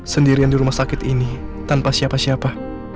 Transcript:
sendirian di rumah sakit ini tanpa siapa siapa